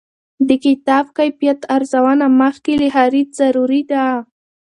د کتاب کیفیت ارزونه مخکې له خرید ضروري ده.